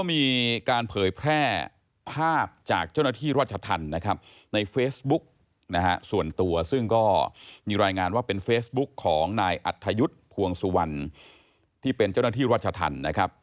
มีรายงานว่าเป็นเฟซบุ๊กของนายอัธยุทธ์ภวงสุวรรณที่เป็นเจ้าหน้าที่รัชธรรมนะครับ